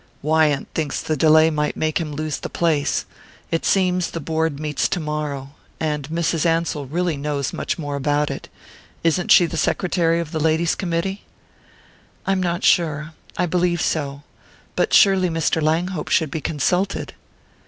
"Wyant thinks the delay might make him lose the place. It seems the board meets tomorrow. And Mrs. Ansell really knows much more about it. Isn't she the secretary of the ladies' committee?" "I'm not sure I believe so. But surely Mr. Langhope should be consulted."